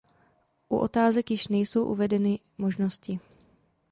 U otázek již nejsou uvedeny možnosti.